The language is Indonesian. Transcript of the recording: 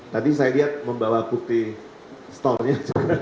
tadi saya lihat membawa bukti stolnya